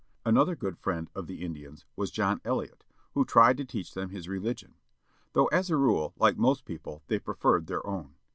Another good friend of the Indians was John Eliot, who tried to teach them his religion. Though as a rule, like most people, they preferred their own.